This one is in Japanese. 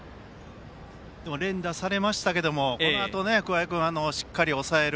連打されましたがこのあと桑江君しっかり抑える。